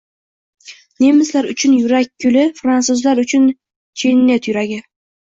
Nemislar uchun yurak guli, fransuzlar uchun Jennet yuragi.